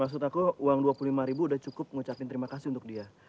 maksud aku uang dua puluh lima ribu udah cukup mengucapkan terima kasih untuk dia